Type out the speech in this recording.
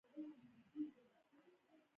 افغانستان د فاریاب له مخې پېژندل کېږي.